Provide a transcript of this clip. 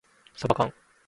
さばかん